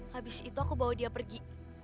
habis itu aku bawa dia pergi